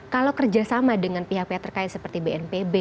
kalau kerjasama dengan pihak pihak terkait seperti bnpb